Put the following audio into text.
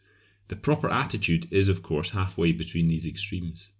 The proper attitude is of course half way between these extremes.